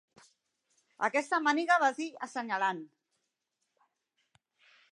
"Aquesta màniga", va dir assenyalant.